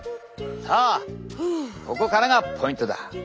さあここからがポイントだ。